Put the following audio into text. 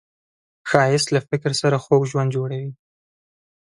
ښایست له فکر سره خوږ ژوند جوړوي